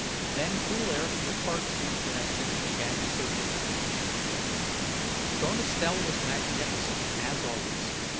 Then cool air from the cart suit connections began circulating. Bonestell was magnificent, as always.